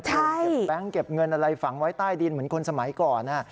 เก็บแบงค์เก็บเงินอะไรฝังไว้ใต้ดินเหมือนคนสมัยก่อน